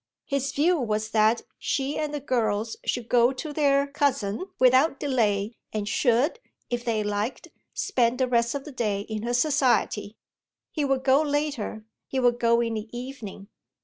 His view was that she and the girls should go to their cousin without delay and should, if they liked, spend the rest of the day in her society. He would go later; he would go in the evening.